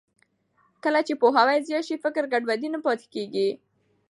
کله چې پوهاوی زیات شي، فکري ګډوډي نه پاتې کېږي.